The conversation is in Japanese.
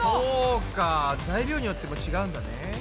そうか材料によっても違うんだね。